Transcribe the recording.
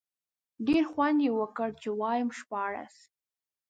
ډېر خوند یې وکړ، چې وایم شپاړس.